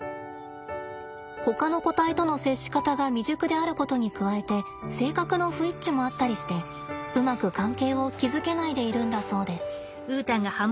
ほかの個体との接し方が未熟であることに加えて性格の不一致もあったりしてうまく関係を築けないでいるんだそうです。